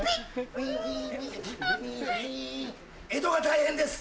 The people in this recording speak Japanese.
江戸が大変です！